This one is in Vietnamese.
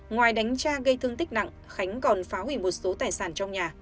ngoài đánh cha gây thương tích nặng khánh còn phá hủy một số tài sản trong nhà